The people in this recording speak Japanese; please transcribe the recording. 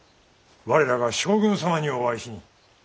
我らが将軍様にお会いしに。